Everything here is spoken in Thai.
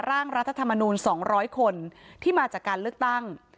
ร่างรัฐธรรมนูล๒๐๐คนที่มาจากการเลือกตั้ง